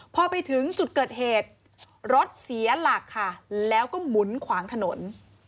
พอไปถึงจุดเกิดเหตุรถเสียหลักค่ะแล้วก็หมุนขวางถนน